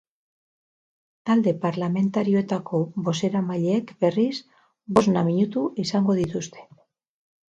Talde parlamentarioetako bozeramaileek, berriz, bosna minutu izango dituzte.